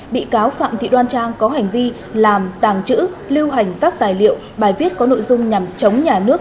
bị cáo phạm thị đoan trang có hành vi làm tàng trữ lưu hành các tài liệu bài viết có nội dung nhằm chống nhà nước